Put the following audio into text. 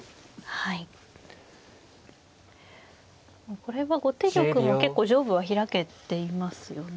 これは後手玉も結構上部は開けていますよね。